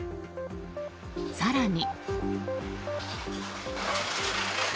更に。